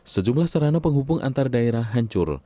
sejumlah sarana penghubung antar daerah hancur